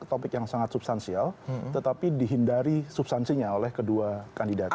topik yang sangat substansial tetapi dihindari substansinya oleh kedua kandidat